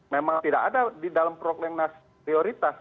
memang tidak ada di dalam prolegnas prioritas